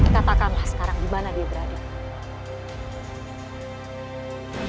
katakanlah sekarang dimana dia raden